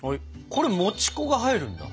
これもち粉が入るんだ。